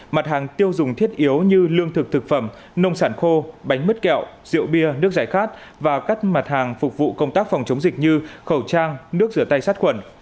mặt hàng tiêu dùng thiết yếu như lương thực thực phẩm nông sản khô bánh mứt kẹo rượu bia nước giải khát và các mặt hàng phục vụ công tác phòng chống dịch như khẩu trang nước rửa tay sát khuẩn